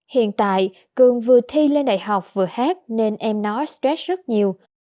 hiện tại cường vừa thi lên đại học vừa hát nên em nói stress rất nhiều